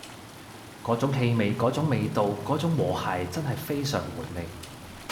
嗰種氣味嗰種味道嗰種和諧真係非常回味